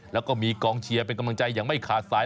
แล้วก็มีกองเชียร์เป็นกำลังใจอย่างไม่ขาดสาย